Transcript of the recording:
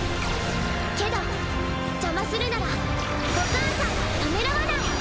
けど邪魔するならお母さんはためらわない。